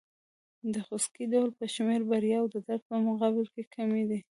د خوسکي ډول په شمېر بریاوې د درد په مقابل کې کمې دي.